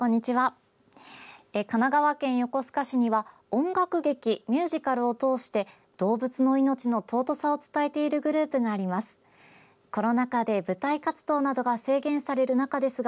神奈川県横須賀市には音楽劇、ミュージカルをとおして動物の命の尊さを伝えているグループがあります。